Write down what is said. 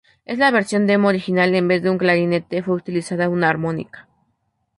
En la versión demo original en vez de un clarinete, fue utilizada una armónica.